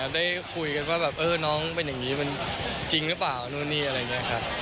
ได้คุยกันว่าแบบเออน้องเป็นอย่างนี้มันจริงหรือเปล่านู่นนี่อะไรอย่างนี้ครับ